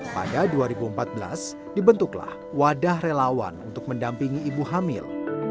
pada dua ribu empat belas dibentuklah wadah relawan untuk mendampingi ibu hamil